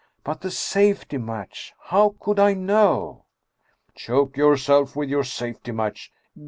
" But the safety match? How could I know? "" Choke yourself with your safety match